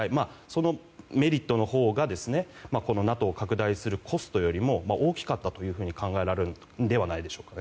そのメリットのほうがＮＡＴＯを拡大するコストより大きかったと考えられるのではないでしょうか。